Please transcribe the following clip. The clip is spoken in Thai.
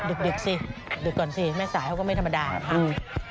ดึกสิดึกก่อนสิแม่สายเขาก็ไม่ธรรมดานะคะ